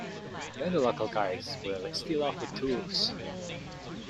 Many local guides will still offer tours.